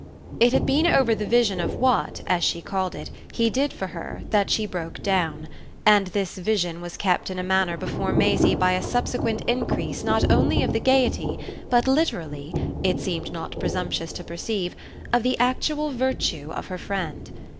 It had been over the vision of what, as she called it, he did for her that she broke down; and this vision was kept in a manner before Maisie by a subsequent increase not only of the gaiety, but literally it seemed not presumptuous to perceive of the actual virtue of her friend.